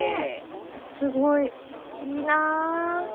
すごいいいなぁ。